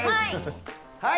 はい。